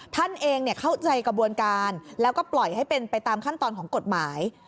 ท่านเองเข้าใจกระบวนการแล้วก็ปล่อยให้เป็นไปตามขั้นตอนของกฎหมาย